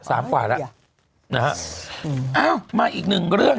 อ้าวมาอีกหนึ่งเรื่อง